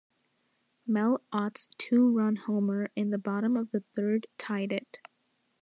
Mel Ott's two-run homer in the bottom of the third tied it.